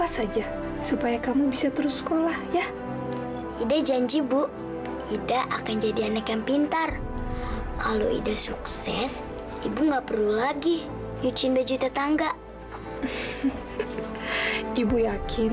sampai jumpa di video selanjutnya